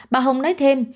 bà hồng nói thêm